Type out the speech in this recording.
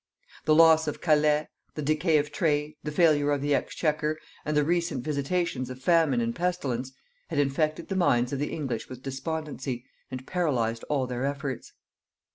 The loss of Calais, the decay of trade, the failure of the exchequer, and the recent visitations of famine and pestilence, had infected the minds of the English with despondency, and paralysed all their efforts.